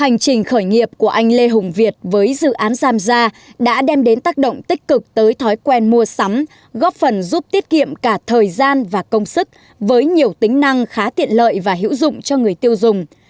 hành trình khởi nghiệp của anh lê hùng việt với dự án sams đã đem đến tác động tích cực tới thói quen mua sắm góp phần giúp tiết kiệm cả thời gian và công sức với nhiều tính năng khá tiện lợi và hữu dụng cho người tiêu dùng